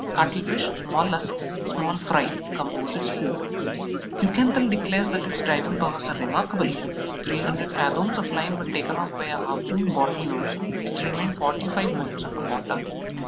Cuttlefish, Mollusks, and small fry compose its food. Kuekenthal declares that its diving powers are remarkable; 300 fathoms of line were taken off by a harpooned Bottle nose which remained forty five minutes under water.